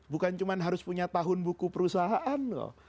bukan cuma harus punya tahun buku perusahaan loh